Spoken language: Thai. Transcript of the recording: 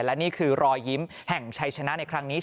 และนี่คือรอยยิ้มแห่งชัยชนะในครั้งนี้